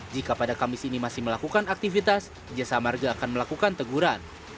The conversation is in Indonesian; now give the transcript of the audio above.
jika pada kamis ini masih melakukan aktivitas jasa marga akan melakukan teguran